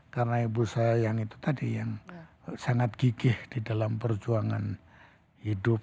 karena ibu saya yang itu tadi yang sangat gigih di dalam perjuangan hidup